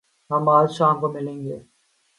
ہم آج شام کو ملیں گے